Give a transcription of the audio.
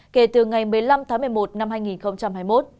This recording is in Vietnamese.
kể từ ngày một mươi năm tháng một mươi một năm hai nghìn hai mươi một